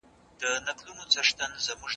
ښوونځي ماشومانو ته د لوړې زدهکړې لاره ښيي.